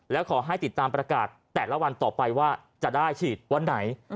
แล้วขอให้ติดตามประกาศแต่ละวันต่อไปว่าจะได้ฉีดวันไหน